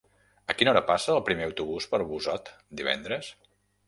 A quina hora passa el primer autobús per Busot divendres?